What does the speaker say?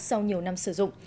sau nhiều năm sử dụng